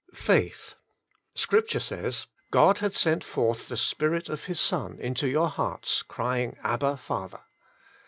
Faith. Scripture says, " God hath sent forth the Spirit of His Son into your hearts, crying, Abba, Father.